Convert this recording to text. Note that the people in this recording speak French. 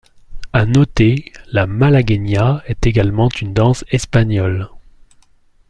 À noter, la Malagueña est également une danse espagnole.